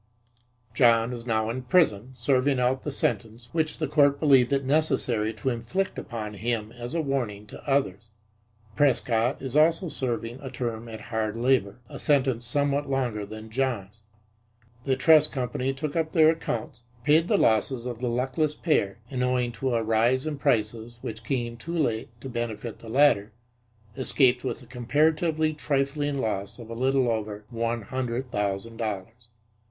John is now in prison, serving out the sentence which the court believed it necessary to inflict upon him as a warning to others. Prescott is also serving a term at hard labor a sentence somewhat longer than John's. The trust company took up their accounts, paid the losses of the luckless pair, and, owing to a rise in prices which came too late to benefit the latter, escaped with the comparatively trifling loss of a little over one hundred thousand dollars.